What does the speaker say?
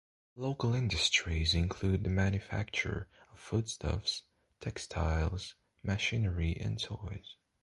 Local industries include the manufacture of foodstuffs, textiles, machinery and toys.